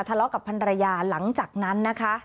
ทะเลาะกับพันรยาหลังจากนั้นนะคะ